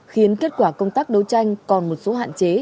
khiến kết quả công tác đấu tranh còn một số hạn chế